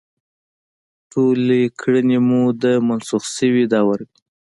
ټولې کړنې به مو د منسوخ شوي دور وي.